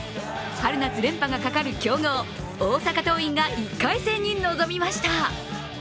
春夏連覇がかかる強豪・大阪桐蔭が１回戦に臨みました。